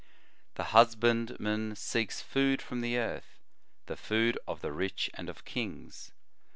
The husband man seeks food from the earth, the food of the rich and of kings.